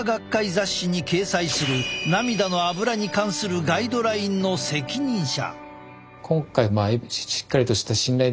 雑誌に掲載する涙のアブラに関するガイドラインの責任者。